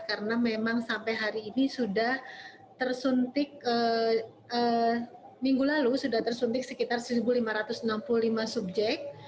karena memang sampai hari ini sudah tersuntik minggu lalu sudah tersuntik sekitar satu lima ratus enam puluh lima subjek